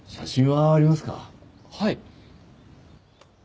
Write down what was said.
はい。